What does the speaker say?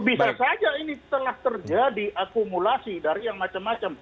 bisa saja ini telah terjadi akumulasi dari yang macam macam